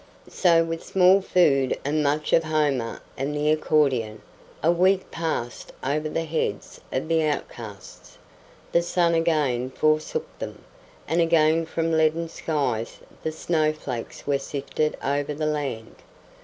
So with small food and much of Homer and the accordion, a week passed over the heads of the outcasts. The sun again forsook them, and again from leaden skies the snowflakes were sifted over the land.